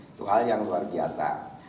itu hal yang luar biasa